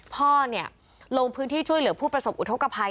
พ่อลงพื้นที่ช่วยเหลือผู้ประสบอุทธกภัย